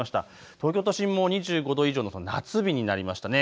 東京都心も２５度以上の夏日になりましたね。